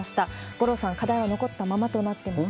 五郎さん、課題は残ったままとなっていますね。